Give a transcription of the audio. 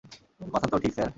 কথা তো ঠিক, স্যার!